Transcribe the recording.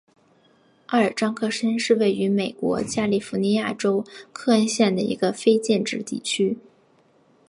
奥尔章克申是位于美国加利福尼亚州克恩县的一个非建制地区。